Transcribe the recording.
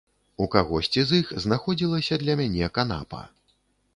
У кагосьці з іх знаходзілася для мяне канапа.